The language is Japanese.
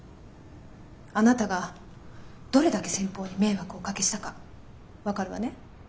あなたがどれだけ先方に迷惑をおかけしたか分かるわね？